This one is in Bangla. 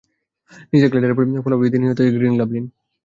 নিজের গ্লাইডারের ফলা বিঁধে নিহত হয়েছে গ্রিন গবলিন।